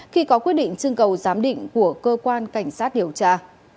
khi có quyết định trưng cầu giám định của cơ quan cảnh sát điều tra